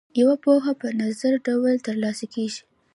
یوه پوهه په نظري ډول ترلاسه کیږي.